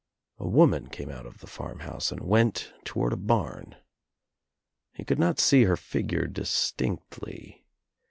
A woman came out of the farmhouse and went toward a barn. He could not see her figure distinctly.